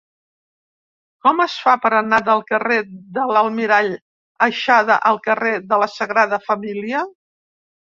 Com es fa per anar del carrer de l'Almirall Aixada al carrer de la Sagrada Família?